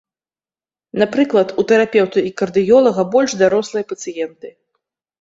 Напрыклад, у тэрапеўта і кардыёлага больш дарослыя пацыенты.